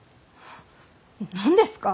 何ですか。